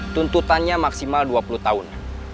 tuntutannya maksimal dua puluh tahun